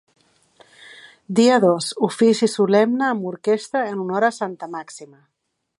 Dia dos: ofici solemne amb orquestra en honor a Santa Màxima.